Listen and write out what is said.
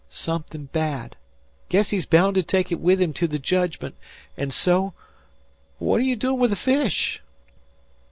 "Something bad. 'Guess he's bound to take it with him to the Judgment, an' so What are you doin' with the fish?"